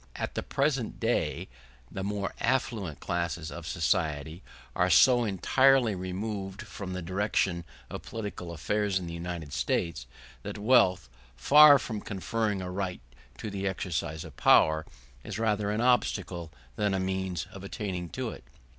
At the present day the more affluent classes of society are so entirely removed from the direction of political affairs in the United States that wealth, far from conferring a right to the exercise of power, is rather an obstacle than a means of attaining to it.